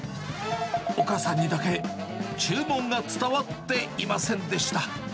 お母さんにだけ、注文が伝わっていませんでした。